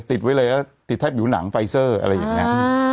ติดไว้เลยแล้วติดแทบผิวหนังไฟเซอร์อะไรอย่างนี้